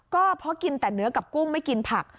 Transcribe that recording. ก็เพราะกินแต่เนื้อกับกุ้งไม่กินผัก